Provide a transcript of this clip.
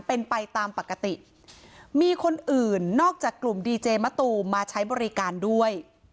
เป็นไปตามปกติมีคนอื่นนอกจากกลุ่มดีเจมะตูมมาใช้บริการด้วย